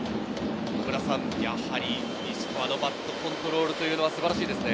野村さん、西川のバットコントロールというのは素晴らしいですね。